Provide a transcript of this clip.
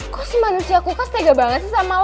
kok semanusia kukas tega banget sih sama lo